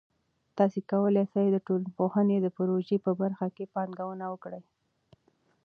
تاسې کولای سئ د ټولنپوهنې د پروژه په برخه کې پانګونه وکړئ.